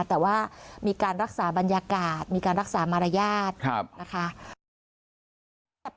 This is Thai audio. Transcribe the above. แต่ว่ามีการรักษาบรรยากาศมีการรักษามารยาทนะคะ